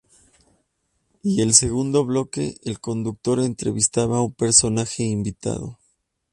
Y el segundo bloque, el conductor entrevistaba a un personaje invitado.